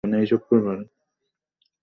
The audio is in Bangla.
খরগোশের খাঁচা বানাব।